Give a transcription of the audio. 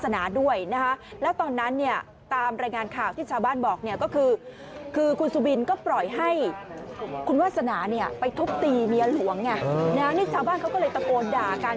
นี่ชาวบ้านเขาก็เลยตะโกนด่ากัน